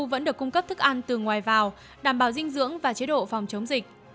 vẫn được cung cấp thức ăn từ ngoài vào đảm bảo dinh dưỡng và chế độ phòng chống dịch